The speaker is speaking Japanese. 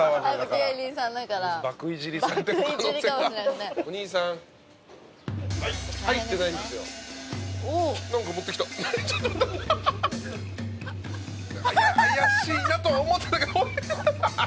怪しいなとは思ってたけど。